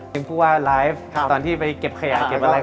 เป็นผู้ว่าไลฟ์ตอนที่ไปเก็บขยะเก็บอะไร